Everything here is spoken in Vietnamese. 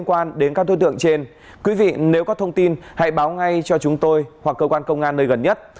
quý vị nếu có thông tin hãy báo ngay cho chúng tôi hoặc cơ quan công an nơi gần nhất